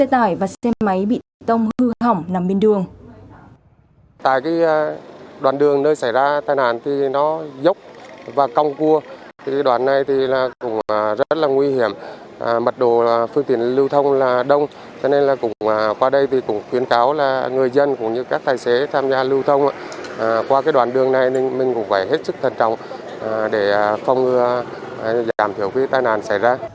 tại đoạn đường nơi xảy ra tai nạn thì nó dốc và cong cua đoạn này cũng rất là nguy hiểm mặt đồ phương tiện lưu thông là đông cho nên qua đây cũng khuyến cáo người dân cũng như các thái xế tham gia lưu thông qua đoạn đường này mình cũng phải hết sức thân trọng để không giảm thiểu tai nạn xảy ra